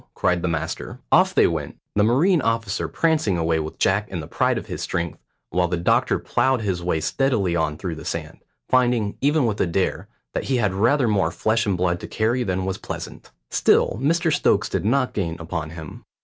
cried the master. Off they went, the marine officer prancing away with Jack in the pride of his strength, while the doctor ploughed his way steadily on through the sand, finding, even with Adair, that he had rather more flesh and blood to carry than was pleasant. Still Mr Stokes did not gain upon him.